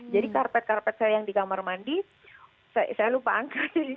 karpet karpet saya yang di kamar mandi saya lupa angka